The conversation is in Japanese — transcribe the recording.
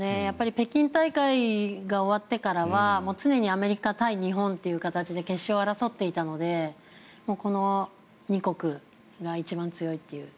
北京大会が終わってからは常にアメリカ対日本という形で決勝で争っていたのでこの２国が一番強いという。